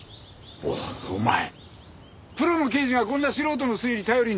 おいお前プロの刑事がこんな素人の推理頼りにしてどうすんだよ！